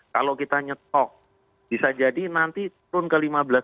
kalau kita nyetok bisa jadi nanti turun ke lima belas dua ratus lima belas seratus